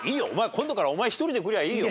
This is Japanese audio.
今度からお前１人で来りゃいいよ。